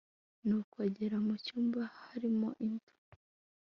nuko agera mu cyumba harimo imva